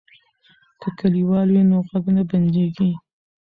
که کلیوال وي نو غږ نه بندیږي.